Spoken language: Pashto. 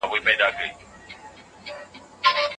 تاسو شاهدان اوسئ چې دا سړی ازاد دی.